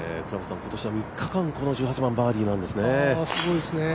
今年は３日間、この１８番バーディーなんですね。